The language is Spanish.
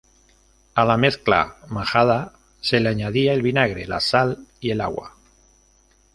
A la mezcla majada se le añadía el vinagre, la sal y el agua.